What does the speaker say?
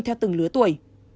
theo từng lứa tuổi